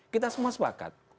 kita semua sepakat